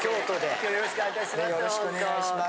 今日よろしくお願い致します。